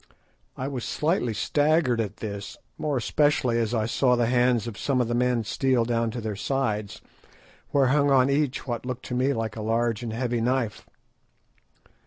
I was slightly staggered at this, more especially as I saw the hands of some of the men steal down to their sides, where hung on each what looked to me like a large and heavy knife.